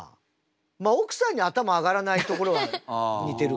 まあ奥さんに頭上がらないところは似てるか。